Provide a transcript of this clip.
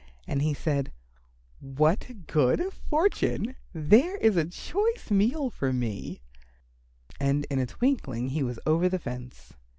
And he said, "What good fortune! There is a choice meal for me," and in a twinkling he was over the fence.